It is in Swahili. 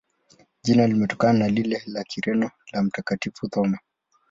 Jina limetokana na lile la Kireno la Mtakatifu Thoma.